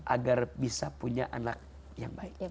agar bisa punya anak yang baik